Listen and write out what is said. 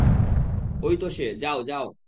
ওইতো সে, যাও, যাও।